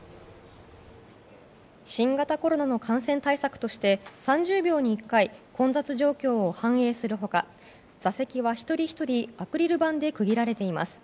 新型コロナの感染対策として３０秒に１回混雑状況を反映する他座席は一人ひとりアクリル板で区切られています。